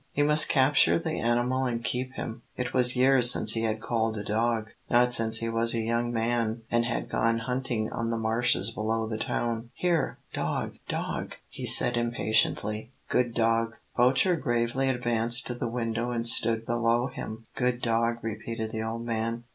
He must capture the animal and keep him. It was years since he had called a dog not since he was a young man and had gone hunting on the marshes below the town. "Here, dog, dog!" he said, impatiently; "good dog!" Poacher gravely advanced to the window and stood below him. "Good dog," repeated the old man.